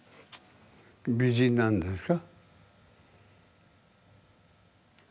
美人なんですか？